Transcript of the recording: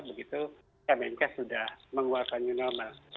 begitu kemenkes sudah mengeluarkan new normal